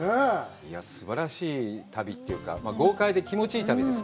すばらしい旅というか、豪快で、気持ちいい旅です。